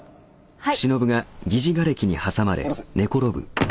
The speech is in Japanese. はい！